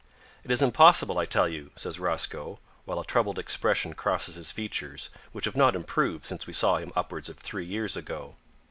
"It is impossible, I tell you," says Rosco, while a troubled expression crosses his features, which have not improved since we saw him upwards of three years ago.